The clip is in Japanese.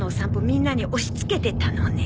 みんなに押し付けてたのね。